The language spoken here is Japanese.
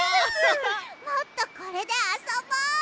もっとこれであそぼう！